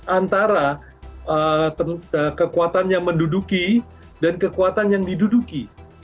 antara kekuatan yang menduduki dan kekuatan yang diduduki